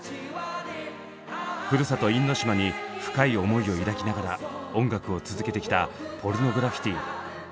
ふるさと因島に深い思いを抱きながら音楽を続けてきたポルノグラフィティ。